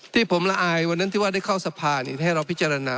ที่ผมละอายวันนั้นที่ว่าได้เข้าสภาให้เราพิจารณา